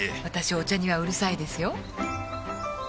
私お茶にはうるさいですよ